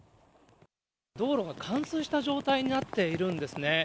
道路が冠水した状態になっているんですね。